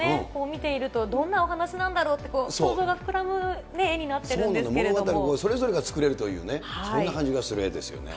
見ていると、どんなお話なんだろうって、想像が膨らむ絵になって物語をそれぞれが作れるというね、そんな感じがする絵ですよね。